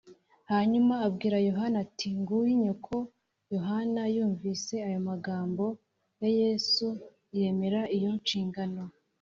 ” hanyuma abwira yohana ati, “nguyu nyoko” yohana yumvise amagambo ya yesu, yemera iyo nshingano